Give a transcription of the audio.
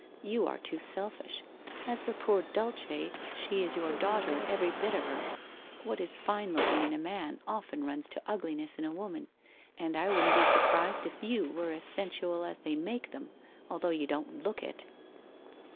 ' You are too selfish. As for poor Dulce, she is your daughter, every bit of her. What is fine looking in a man often runs to ugli ness in a woman, and I shouldn't be surprised if you were as sensual as they make them, although you don't look it!'